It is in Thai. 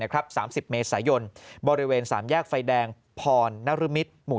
๓๐เมษายนบริเวณ๓แยกไฟแดงพรนรมิตรหมู่